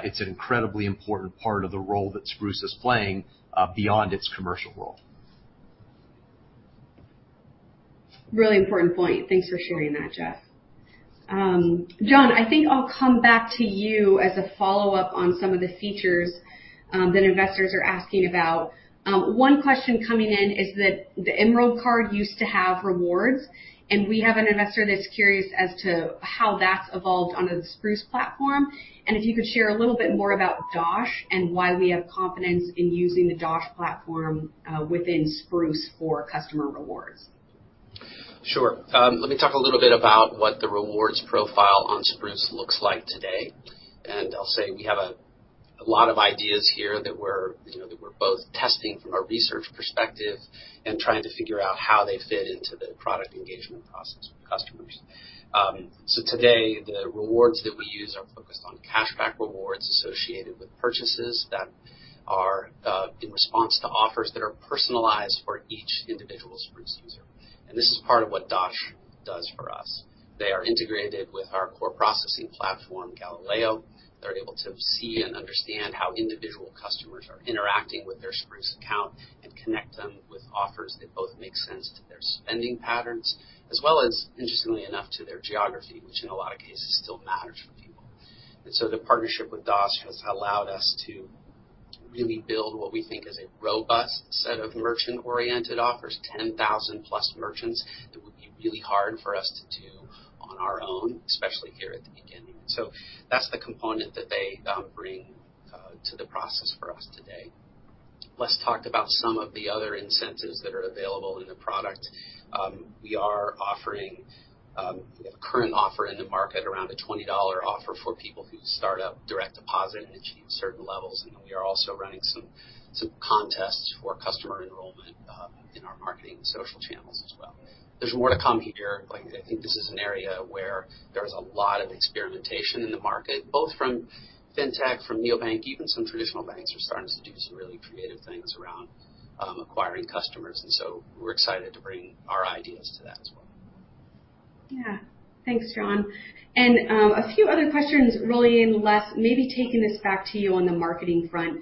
it's an incredibly important part of the role that Spruce is playing beyond its commercial role. Really important point. Thanks for sharing that, Jeff. John, I think I'll come back to you as a follow-up on some of the features that investors are asking about. One question coming in is that the Emerald Card used to have rewards, and we have an investor that's curious as to how that's evolved under the Spruce platform. If you could share a little bit more about Dosh and why we have confidence in using the Dosh platform within Spruce for customer rewards. Sure. Let me talk a little bit about what the rewards profile on Spruce looks like today. I'll say we have a lot of ideas here that we're you know both testing from a research perspective and trying to figure out how they fit into the product engagement process with customers. Today the rewards that we use are focused on cashback rewards associated with purchases that are in response to offers that are personalized for each individual Spruce user. This is part of what Dosh does for us. They are integrated with our core processing platform, Galileo. They're able to see and understand how individual customers are interacting with their Spruce account and connect them with offers that both make sense to their spending patterns, as well as interestingly enough, to their geography, which in a lot of cases still matters for people. The partnership with Dosh has allowed us to really build what we think is a robust set of merchant-oriented offers, 10,000+ merchants that would be really hard for us to do on our own, especially here at the beginning. That's the component that they bring to the process for us today. Les talked about some of the other incentives that are available in the product. We are offering, we have a current offer in the market around a $20 offer for people who set up direct deposit and achieve certain levels, and then we are also running some contests for customer enrollment in our marketing and social channels as well. There's more to come here. Like, I think this is an area where there's a lot of experimentation in the market, both from fintech, from neobanks. Even some traditional banks are starting to do some really creative things around acquiring customers, and so we're excited to bring our ideas to that as well. Yeah. Thanks, John. A few other questions really in, Les, maybe taking this back to you on the marketing front.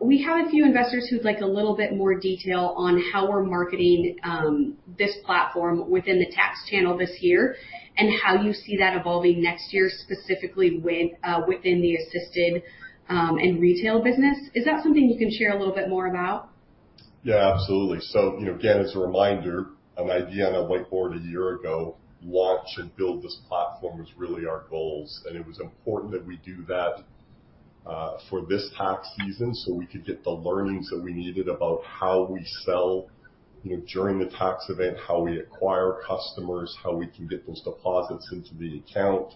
We have a few investors who'd like a little bit more detail on how we're marketing this platform within the tax channel this year and how you see that evolving next year, specifically within the Assisted and retail business. Is that something you can share a little bit more about? Yeah, absolutely. You know, again, as a reminder, an idea on a whiteboard a year ago, launch and build this platform was really our goals. It was important that we do that for this tax season so we could get the learnings that we needed about how we sell, you know, during the tax event, how we acquire customers, how we can get those deposits into the account,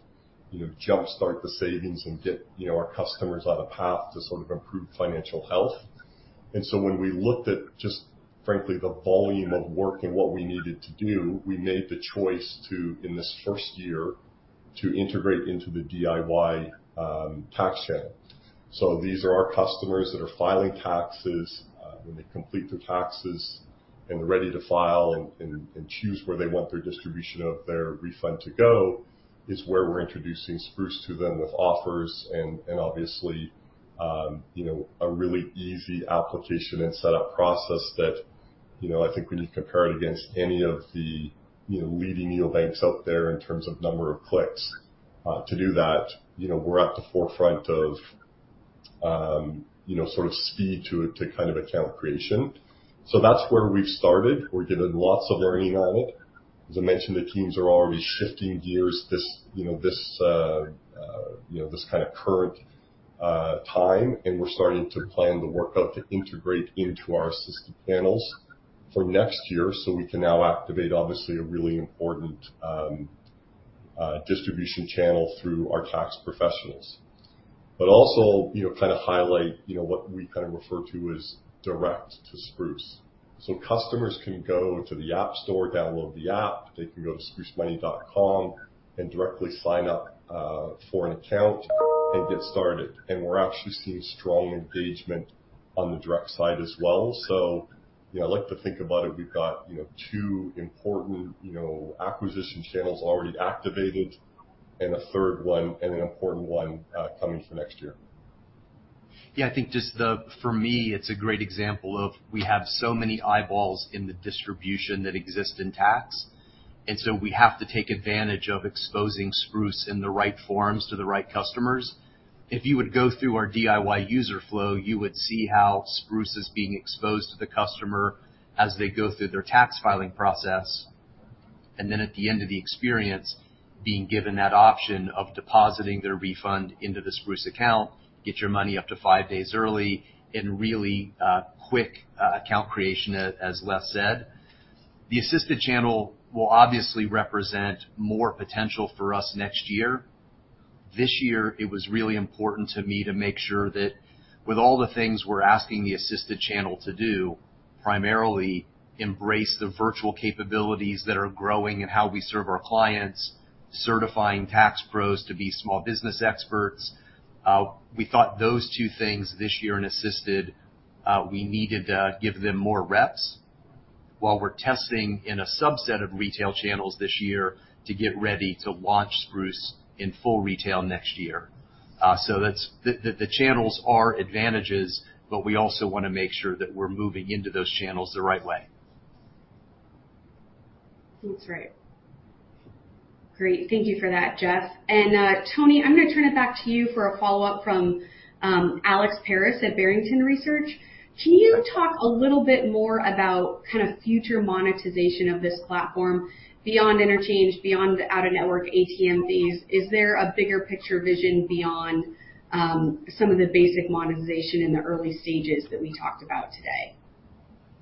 you know, jumpstart the savings and get, you know, our customers on a path to sort of improve financial health. When we looked at just frankly the volume of work and what we needed to do, we made the choice to, in this first year, to integrate into the DIY tax channel. These are our customers that are filing taxes. When they complete their taxes and are ready to file and choose where they want their distribution of their refund to go is where we're introducing Spruce to them with offers and obviously, you know, a really easy application and setup process that, you know, I think when you compare it against any of the, you know, leading neobanks out there in terms of number of clicks to do that, you know, we're at the forefront of, you know, sort of speed to to kind of account creation. That's where we've started. We're getting lots of learning on it. As I mentioned, the teams are already shifting gears this, you know, this kind of current time, and we're starting to plan the workup to integrate into our Assisted channels for next year, so we can now activate obviously a really important distribution channel through our tax professionals. Also, you know, kind of highlight, you know, what we kind of refer to as direct to Spruce. Customers can go to the App Store, download the app. They can go to sprucemoney.com and directly sign-up for an account and get started. We're actually seeing strong engagement on the direct side as well. You know, I like to think about it, we've got, you know, two important, you know, acquisition channels already activated and a third one and an important one coming for next year. Yeah. I think for me, it's a great example of we have so many eyeballs in the distribution that exist in tax, and so we have to take advantage of exposing Spruce in the right forms to the right customers. If you would go through our DIY user flow, you would see how Spruce is being exposed to the customer as they go through their tax filing process, and then at the end of the experience, being given that option of depositing their refund into the Spruce account. Get your money up to five days early in really quick account creation, as Les said. The Assisted channel will obviously represent more potential for us next year. This year it was really important to me to make sure that with all the things we're asking the Assisted channel to do, primarily embrace the virtual capabilities that are growing and how we serve our clients, certifying tax pros to be small business experts, we thought those two things this year in Assisted, we needed to give them more reps while we're testing in a subset of retail channels this year to get ready to launch Spruce in full retail next year. The channels' advantages, but we also wanna make sure that we're moving into those channels the right way. That's right. Great. Thank you for that, Jeff. Tony, I'm gonna turn it back to you for a follow-up from Alex Paris at Barrington Research. Can you talk a little bit more about kind of future monetization of this platform beyond interchange, beyond out-of-network ATM fees? Is there a bigger picture vision beyond some of the basic monetization in the early stages that we talked about today?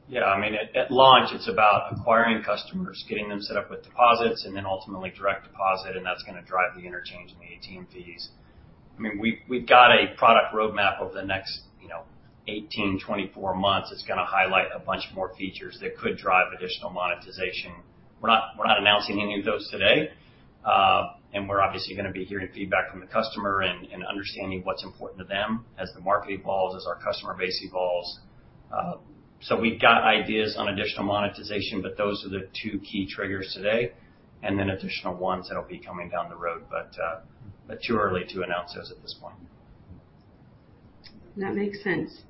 Yeah. I mean, at launch, it's about acquiring customers, getting them set up with deposits, and then ultimately direct deposit, and that's gonna drive the interchange and the ATM fees. I mean, we've got a product roadmap over the next, you know, 18-24 months that's gonna highlight a bunch more features that could drive additional monetization. We're not announcing any of those today, and we're obviously gonna be hearing feedback from the customer and understanding what's important to them as the market evolves, as our customer base evolves. We've got ideas on additional monetization, but those are the two key triggers today, and then additional ones that'll be coming down the road. Too early to announce those at this point. That makes sense.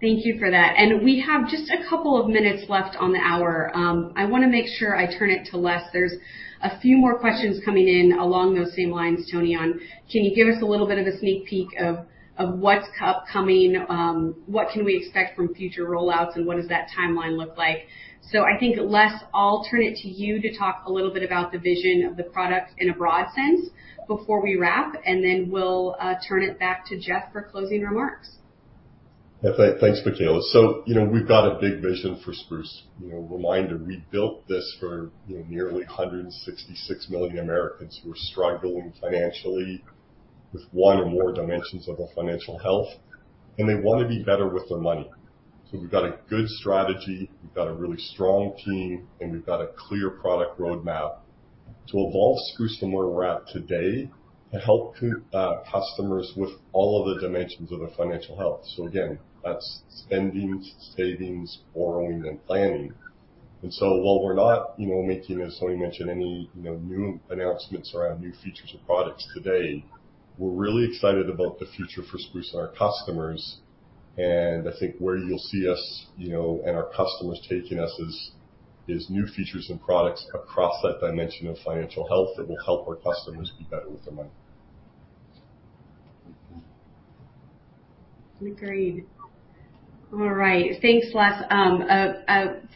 Thank you for that. We have just a couple of minutes left on the hour. I wanna make sure I turn it to Les. There's a few more questions coming in along those same lines, Tony, on, can you give us a little bit of a sneak peek of what's upcoming? What can we expect from future roll-outs, and what does that timeline look like? I think, Les, I'll turn it to you to talk a little bit about the vision of the product in a broad sense before we wrap, and then we'll turn it back to Jeff for closing remarks. Yeah. Thanks, Michaella. So, you know, we've got a big vision for Spruce. You know, reminder, we built this for, you know, nearly 166 million Americans who are struggling financially with one or more dimensions of their financial health, and they wanna be better with their money. So we've got a good strategy, we've got a really strong team, and we've got a clear product roadmap to evolve Spruce from where we're at today to help customers with all of the dimensions of their financial health. So again, that's spending, savings, borrowing, and planning. While we're not, you know, making, as Tony mentioned, any, you know, new announcements around new features or products today, we're really excited about the future for Spruce and our customers. I think where you'll see us, you know, and our customers taking us is new features and products across that dimension of financial health that will help our customers be better with their money. Agreed. All right. Thanks, Les.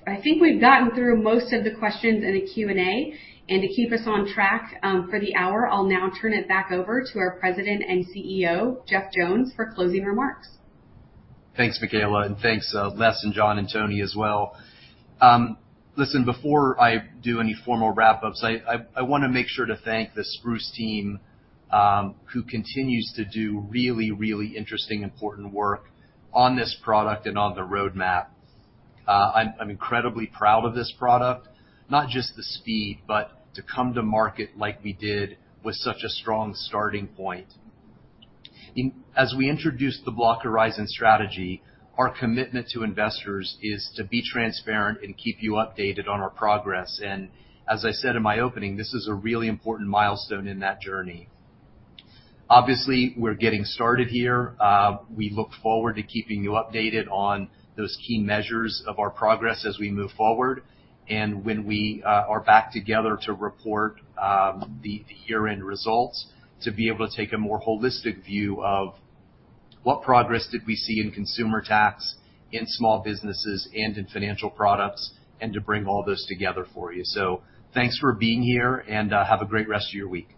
I think we've gotten through most of the questions in the Q&A. To keep us on track for the hour, I'll now turn it back over to our President and CEO, Jeff Jones, for closing remarks. Thanks, Michaella. Thanks, Les and John and Tony as well. Listen, before I do any formal wrap-ups, I wanna make sure to thank the Spruce team, who continues to do really interesting, important work on this product and on the roadmap. I'm incredibly proud of this product, not just the speed, but to come to market like we did with such a strong starting point. As we introduced the Block Horizons strategy, our commitment to investors is to be transparent and keep you updated on our progress. As I said in my opening, this is a really important milestone in that journey. Obviously, we're getting started here. We look forward to keeping you updated on those key measures of our progress as we move forward. When we are back together to report the year-end results, to be able to take a more holistic view of what progress did we see in consumer tax, in small businesses, and in financial products, and to bring all those together for you. Thanks for being here, and have a great rest of your week.